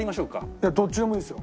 いやどっちでもいいですよ。